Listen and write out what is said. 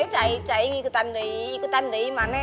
cahaya cahaya ngikutin deh ikutin deh mana